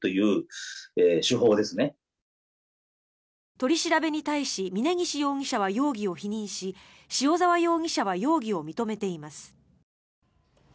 取り調べに対し峯岸容疑者は容疑を否認し塩澤容疑者は容疑を認めています。